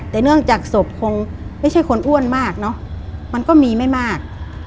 แต่เนื่องจากศพคงไม่ใช่คนอ้วนมากเนอะมันก็มีไม่มาก